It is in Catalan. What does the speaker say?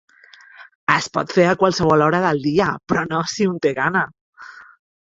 Es pot fer a qualsevol hora del dia, però no si un té gana.